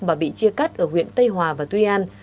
và bị chia cắt ở huyện tây hòa và tuy an